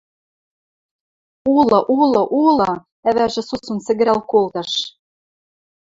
– Улы, улы, улы! – ӓвӓжӹ сусун сӹгӹрӓл колтыш.